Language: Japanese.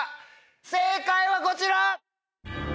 正解はこちら！